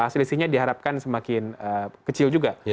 selisihnya diharapkan semakin kecil juga